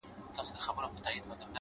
دا دی د مرگ تر دوه ويشتچي دقيقې وځم!